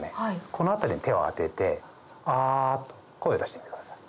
この辺りに手を当てて「ア」と声を出してみてください。